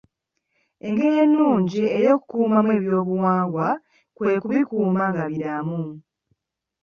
Engeri ennungi ey'okukuumamu ebyobuwangwa kwe kubikuuma nga biramu.